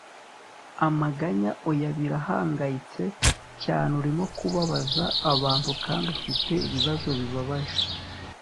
amaganya oya birahangayitse cyane urimo kubabaza abantu kandi ufite ibibazo bibabaje